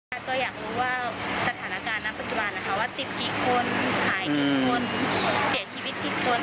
ตัวอยากรู้ว่าสถานการณ์ณปัจจุบันนะคะว่าติดกี่คนหายกี่คนเสียชีวิตกี่คน